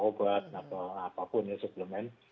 obat atau apapun ya suplemen